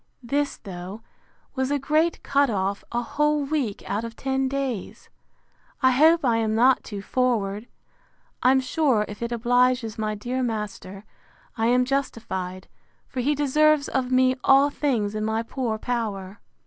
This, though, was a great cut off; a whole week out of ten days. I hope I am not too forward! I'm sure, if it obliges my dear master, I am justified; for he deserves of me all things in my poor power.